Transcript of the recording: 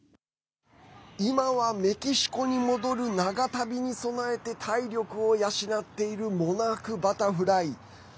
今はメキシコに戻る長旅に備えて体力を養っているモナークバタフライ。